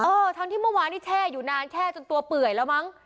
ทั้งที่เมื่อวานนี้แช่อยู่นานแช่จนตัวเปื่อยแล้วมั้ง